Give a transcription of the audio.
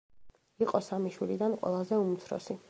იყო სამი შვილიდან ყველაზე უმცროსი.